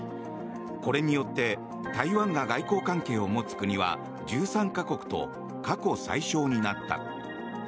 これによって台湾が外交関係を持つ国は１３か国と過去最少になった。